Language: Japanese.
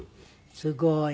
すごい。